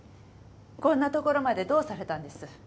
こんなところまでどうされたんです？